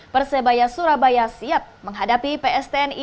persebaya surabaya siap menghadapi pstni